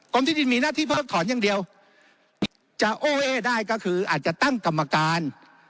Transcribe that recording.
ที่ดินมีหน้าที่เพิกถอนอย่างเดียวจะโอ้เอ๊ได้ก็คืออาจจะตั้งกรรมการ